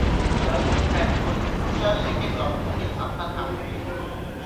上門踢館，唔將你擊落已經十分客氣